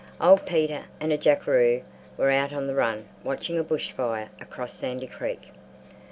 Old Peter and a jackaroo were out on the run watching a bush fire across Sandy Creek.